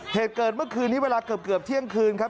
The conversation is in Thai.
เหตุเกิดเมื่อคืนนี้เวลาเกือบเที่ยงคืนครับ